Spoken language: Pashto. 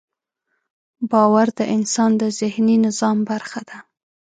باور د انسان د ذهني نظام برخه ده.